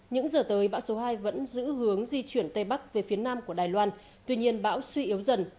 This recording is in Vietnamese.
những giờ tới bão số hai vẫn giữ hướng di chuyển tây bắc về phía nam của đài loan tuy nhiên bão suy yếu dần